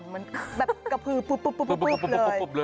เหมือนแบบกระพือปุ๊บปุ๊บปุ๊บปุ๊บเลย